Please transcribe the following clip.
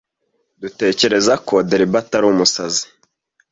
Dutekereza ko Delbert ari umusazi.